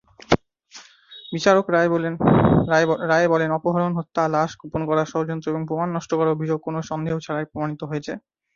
বিচারক রায়ে বলেন, অপহরণ, হত্যা, লাশ গোপন করা, ষড়যন্ত্র এবং প্রমাণ নষ্ট করার অভিযোগ কোন সন্দেহ ছাড়াই প্রমাণিত হয়েছে।